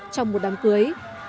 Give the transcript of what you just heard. trong một đám cưới